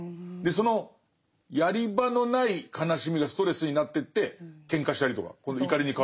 そのやり場のない悲しみがストレスになってってケンカしたりとか。